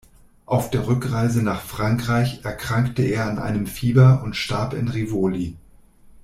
Auf der Rückreise nach Frankreich erkrankte er an einem Fieber und starb in Rivoli.